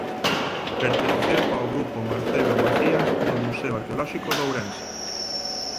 Pertenceu ao Grupo Marcelo Macías do Museo Arqueolóxico de Ourense.